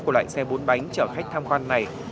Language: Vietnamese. của loại xe bốn bánh chở khách tham quan này